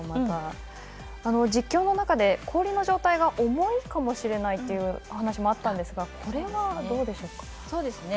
実況の中で氷の状態が重いかもしれないって話もあったんですがこれは、どうでしょうか。